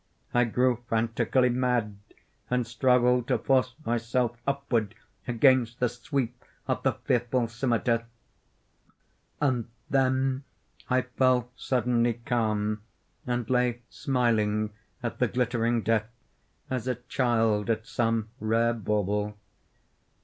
I grew frantically mad, and struggled to force myself upward against the sweep of the fearful scimitar. And then I fell suddenly calm, and lay smiling at the glittering death, as a child at some rare bauble.